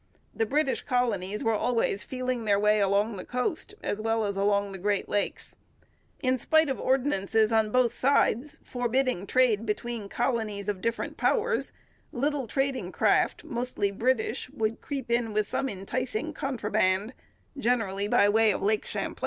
The British colonies were always feeling their way along the coast as well as along the Great Lakes. In spite of ordinances on both sides, forbidding trade between colonies of different powers, little trading craft, mostly British, would creep in with some enticing contraband, generally by way of Lake Champlain.